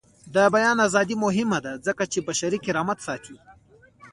د بیان ازادي مهمه ده ځکه چې بشري کرامت ساتي.